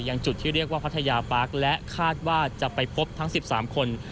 จุดที่เรียกว่าพัทยาปาร์คและคาดว่าจะไปพบทั้ง๑๓คน